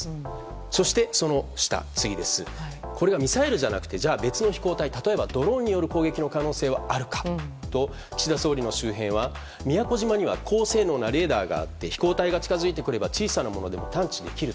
そして、これがミサイルじゃなくてじゃあ、別の飛行体例えばドローンによる攻撃の可能性はあるかと岸田総理の周辺は、宮古島には高性能なレーダーがあって飛行隊が近づいてくれば小さなものでも探知できる。